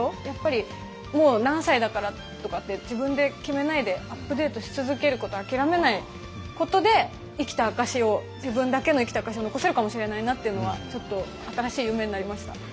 やっぱりもう何歳だからとかって自分で決めないでアップデートし続けることを諦めないことで生きた証しを自分だけの生きた証しを残せるかもしれないなっていうのはちょっと新しい夢になりました。